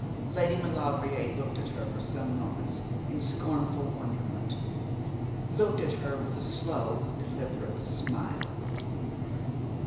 Lady Maulevrier looked at her for some moments in scornful wonderment; looked at her with a slow, deliberate smile.